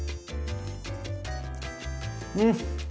うん！